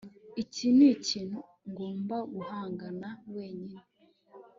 iki nikintu ngomba guhangana wenyine